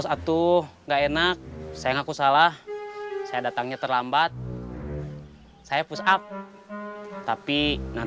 semarang semarang semarang